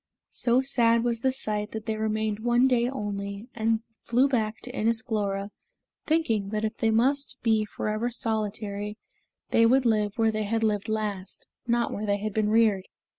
So sad was the sight that they remained one day only, and flew back to Inis Glora, thinking that if they must be forever solitary, they would live where they had lived last, not where they had been reared.